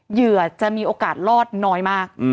เหยื่อจะมีโอกาสรอดน้อยมาก